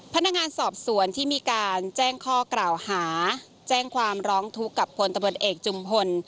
พนักงานสอบสวนที่มีการแจ้งข้อกล่าวหาแจ้งความร้องทุกข์กับพลตำรวจเอกจุมพล